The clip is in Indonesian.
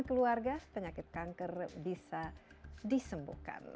keluarga penyakit kanker bisa disembuhkan